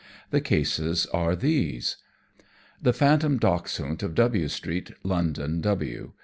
The cases are these: _The Phantom Dachshund of W St., London, W.